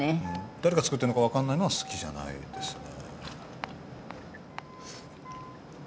誰が作ってるのかわかんないのは好きじゃないですね。